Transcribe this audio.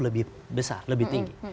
lebih besar lebih tinggi